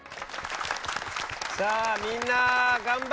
さあみんな頑張ったね！